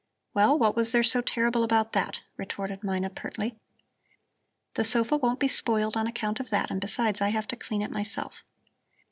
"Well, what was there so terrible about that?" retorted Mina pertly. "The sofa won't be spoiled on account of that, and besides, I have to clean it myself."